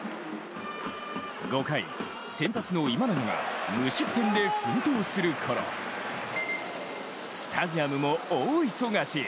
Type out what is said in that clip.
５回、先発の今永が無失点で奮闘するころスタジアムも大忙し。